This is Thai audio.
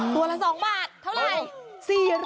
ตัวละ๒บาทเท่าไหร่